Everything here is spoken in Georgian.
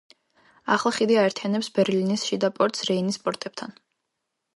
ახლა ხიდი აერთიანებს ბერლინის შიდა პორტს რეინის პორტებთან.